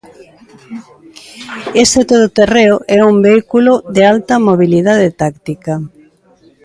Este todoterreo é un vehículo de alta mobilidade táctica.